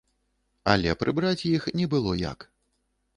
Але прыбраць іх не было як.